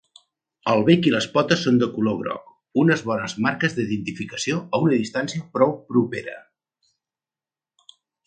El bec i les potes són de color groc, unes bones marques d'identificació a una distància prou propera.